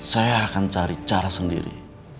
saya akan cari cara sendiri